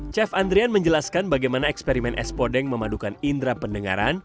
chef andrian menjelaskan bagaimana eksperimen es podeng memadukan indera pendengaran